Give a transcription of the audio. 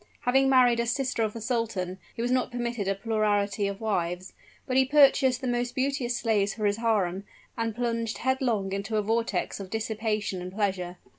Having married a sister of the sultan, he was not permitted a plurality of wives; but he purchased the most beauteous slaves for his harem, and plunged headlong into a vortex of dissipation and pleasure.